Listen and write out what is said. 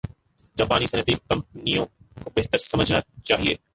جاپانی صنعتی کمپنیوں کو بہتر سمجھنا چاہِیے